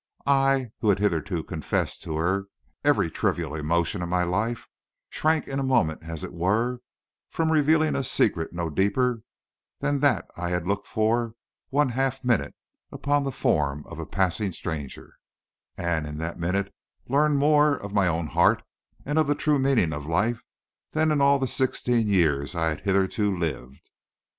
I who had hitherto confessed to her every trivial emotion of my life, shrank in a moment, as it were, from revealing a secret no deeper than that I had looked for one half minute upon the form of a passing stranger, and in that minute learned more of my own heart and of the true meaning of life than in all the sixteen years I had hitherto lived.